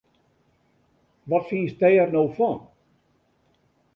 Wat fynst dêr no fan!